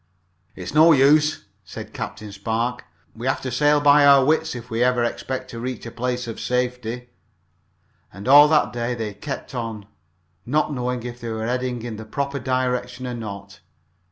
"It's no use," said Captain Spark. "We have got to sail by our wits, if we ever expect to reach a place of safety." And all that day they kept on, not knowing if they were heading in the proper direction or not.